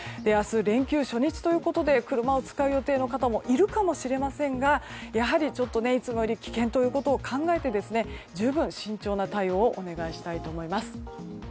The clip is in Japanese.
明日、連休初日ということで車を使う予定の方もいるかもしれませんがいつもより危険ということを考えて十分慎重な対応をお願いしたいと思います。